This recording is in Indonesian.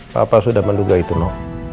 bapak sudah menduga itu no